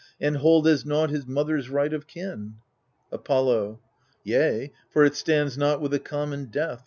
And hold as nought his mother's right of kin 1 Apollo Yea, for it stands not with a common death.